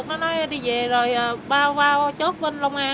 nó nói đi về rồi ba qua trước bên long an